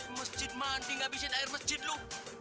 masjid mandi gak bisa di air masjid lo